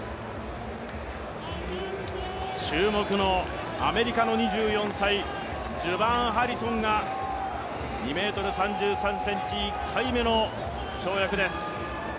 注目のアメリカの２４歳、ジュバーン・ハリソンが２ｍ３３ｃｍ、１回目の跳躍です。